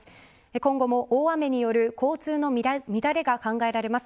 今後も大雨による交通の乱れが考えられます。